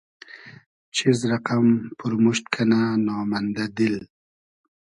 چیز رئقئم پورموشت کئنۂ نامئندۂ دیل